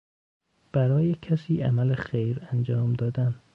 برای کسی عمل خیر انجام دادن